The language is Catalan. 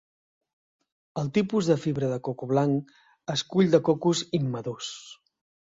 El tipus de fibra de coco blanc es cull de cocos immadurs.